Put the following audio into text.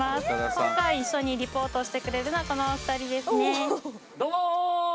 今回一緒にリポートしてくれるのはこのお二人ですねどうも！